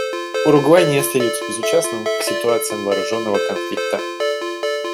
Уругвай не остается безучастным к ситуациям вооруженного конфликта.